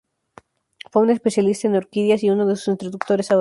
Fue un especialista en orquídeas, y uno de sus introductores a Europa.